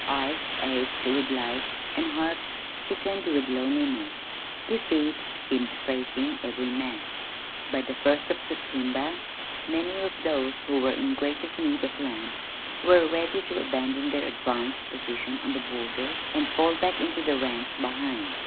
Eyes ached with light and hearts sickened with loneliness. Defeat seemed facing every man. By the first of September many of those who were in greatest need of land were ready to abandon their advanced position on the border and fall back into the ranks behind.